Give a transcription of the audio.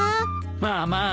まあまあ。